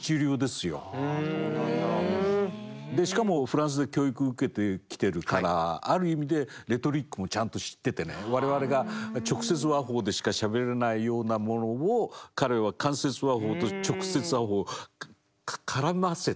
しかもフランスで教育受けてきてるからある意味で我々が直接話法でしかしゃべれないようなものを彼は間接話法と直接話法を絡ませてさ